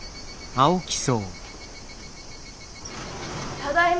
ただいま。